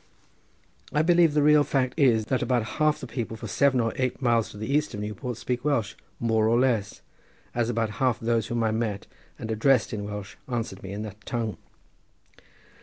I believe the real fact is that about half the people for seven or eight miles to the east of Newport speak Welsh, more or less, as about half those whom I met and addressed in Welsh answered me in that tongue.